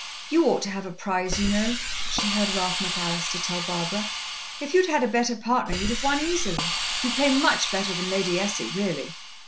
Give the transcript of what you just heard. "You ought to have a prize, you know," she heard Ralph McAllister tell Barbara. "If you'd had a better partner you'd have won easily. You play much better than Lady Essie, really!"